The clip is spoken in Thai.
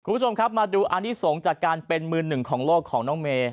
คุณผู้ชมครับมาดูอนิสงฆ์จากการเป็นมือหนึ่งของโลกของน้องเมย์